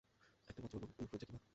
একটা বাচ্চা বলল, ইনফ্লুয়েঞ্জা কী মা?